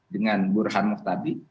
dengan burhan muhtabib